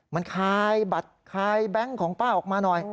มันคายบัตรคายแบงค์ของป้าออกมาหน่อย